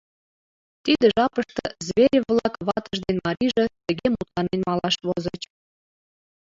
Тиде жапыште Зверев-влак ватыж ден марийже, — тыге мутланен малаш возыч: